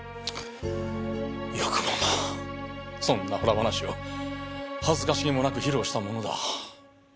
よくもまぁそんなホラ話を恥ずかしげもなく披露したものだ。